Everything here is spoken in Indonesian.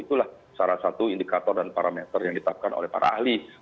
itulah salah satu indikator dan parameter yang ditetapkan oleh para ahli